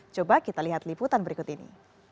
coba kita lihat liputan berikut ini